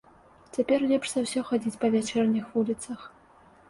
Цяпер лепш за ўсё хадзіць па вячэрніх вуліцах.